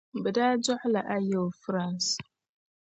Bɛ daa dɔɣi la Ayew France.